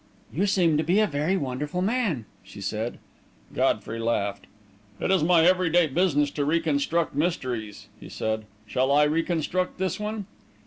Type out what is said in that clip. "You seem to be a very wonderful man!" she said. Godfrey laughed. "It is my every day business to reconstruct mysteries," he said. "Shall I reconstruct this one?"